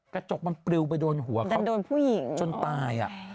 กระจกมันปลิวไปโดนหัวเขาจนตาย